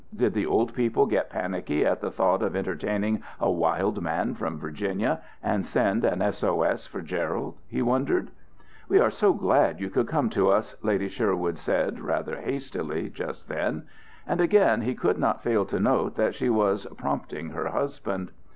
Did the old people get panicky at the thought of entertaining a wild man from Virginia, and send an SOS for Gerald, he wondered. "We are so glad you could come to us," Lady Sherwood said rather hastily just then. And again he could not fail to note that she was prompting her husband.